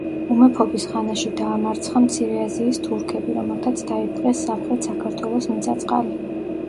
უმეფობის ხანაში დაამარცხა მცირე აზიის თურქები, რომელთაც დაიპყრეს სამხრეთ საქართველოს მიწა-წყალი.